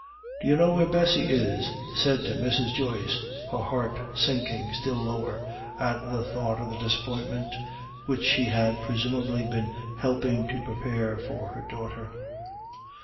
"D'you know where Bessy is?" said Mrs. Joyce, her heart sinking still lower at the thought of the disappointment, which she had presumably been helping to prepare for her daughter.